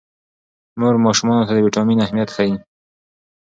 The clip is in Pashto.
مور ماشومانو ته د ویټامین اهمیت ښيي.